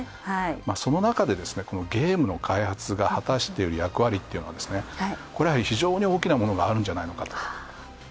その中で、ゲームの開発が果たしている役割っていうのは、これは非常に大きなものがあるんじゃないかと。